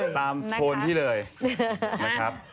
โทนที่เลยนะครับ